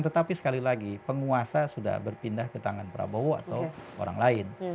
tetapi sekali lagi penguasa sudah berpindah ke tangan prabowo atau orang lain